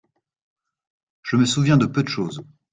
Je me souviens de peu de chose.